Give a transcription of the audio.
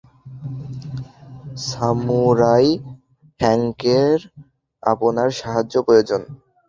Samurai হ্যাংকের আপনার সাহায্য প্রয়োজন।